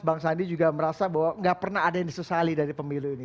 bang sandi juga merasa bahwa nggak pernah ada yang disesali dari pemilu ini